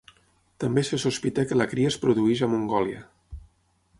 També se sospita que la cria es produeix a Mongòlia.